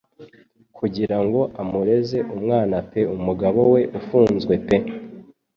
Kugira ngo amureze-umwana pe Umugabo we ufunzwe pe